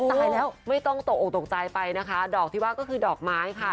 ตายแล้วไม่ต้องตกออกตกใจไปนะคะดอกที่ว่าก็คือดอกไม้ค่ะ